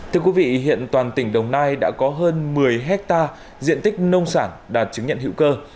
thưa quý vị hiện toàn tỉnh đồng nai đã có hơn một mươi hectare diện tích nông sản đạt chứng nhận hữu cơ